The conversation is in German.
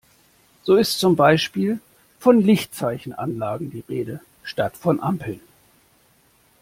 So ist zum Beispiel von Lichtzeichenanlagen die Rede, statt von Ampeln.